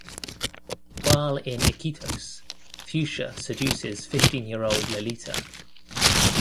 While in Iquitos, Fushia seduces fifteen-year-old Lalita.